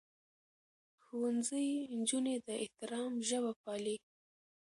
ښوونځی نجونې د احترام ژبه پالي.